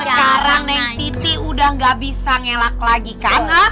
sekarang neng siti udah nggak bisa ngelak lagi kan